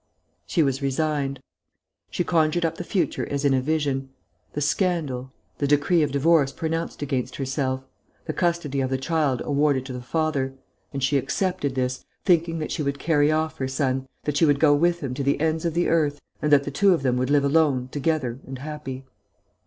She was resigned. She conjured up the future as in a vision: the scandal, the decree of divorce pronounced against herself, the custody of the child awarded to the father; and she accepted this, thinking that she would carry off her son, that she would go with him to the ends of the earth and that the two of them would live alone together and happy....